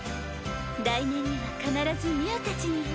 来年には必ずみゅーたちにも。